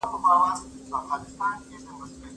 پدې سورت کي د علماوو بحث سته.